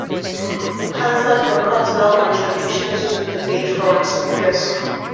Hansard records no contributions to debates from Spiers.